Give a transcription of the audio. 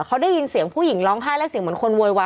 เขาได้ยินเสียงผู้หญิงร้องไห้และเสียงเหมือนคนโวยวาย